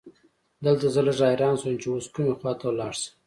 دلته زه لږ حیران شوم چې اوس کومې خواته لاړ شم.